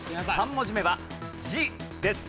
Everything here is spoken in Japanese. ３文字目は「じ」です。